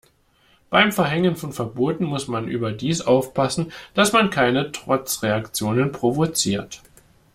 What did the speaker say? Beim Verhängen von Verboten muss man überdies aufpassen, dass man keine Trotzreaktionen provoziert.